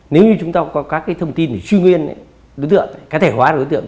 nếu như chúng ta có các thông tin chuyên nguyên đối tượng các thể hóa đối tượng